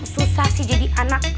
susah sih jadi anak